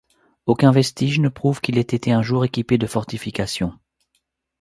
Aucun vestige ne prouve qu'il ait été un jour équipé de fortifications.